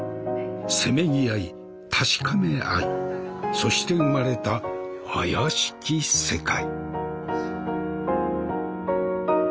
せめぎ合い確かめ合いそして生まれた「妖しき世界」。